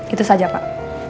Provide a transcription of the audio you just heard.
itu saja pak